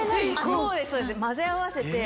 そうです混ぜ合わせて。